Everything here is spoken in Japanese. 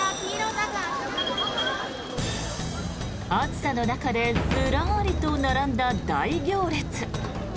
暑さの中でずらりと並んだ大行列。